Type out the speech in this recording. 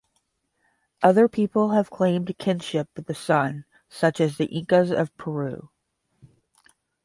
Other people have claimed kinship with the sun, such as the Incas of Peru.